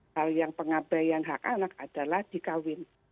hal yang pengabayan hak anak adalah dikawin